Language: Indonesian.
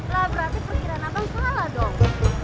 lah berarti pikiran abang salah dong